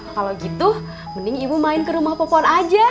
kalau gitu mending ibu main ke rumah popon aja